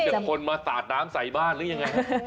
เดี๋ยวคนมาสาดน้ำใส่บ้านหรือยังไง